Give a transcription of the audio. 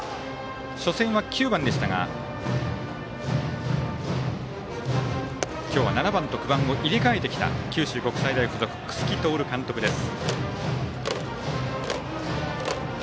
初戦は９番でしたが今日は７番と９番を入れてきた九州国際大付属楠城徹監督です。